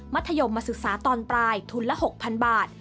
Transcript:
ธยมมาศึกษาตอนปลายทุนละ๖๐๐๐บาท